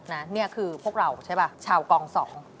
นี่คือพวกเราใช่ป่ะชาวกองสอง